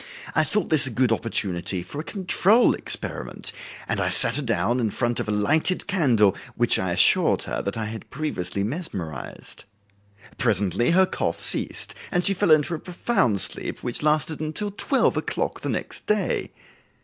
I thought this a good opportunity for a control experiment, and I sat her down in front of a lighted candle which I assured her that I had previously mesmerized. Presently her cough ceased and she fell into a profound sleep, which lasted until twelve o'clock the next day.